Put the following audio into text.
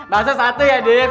masa satu ya div